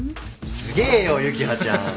すげえよ幸葉ちゃん。